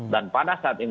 dan pada saat ini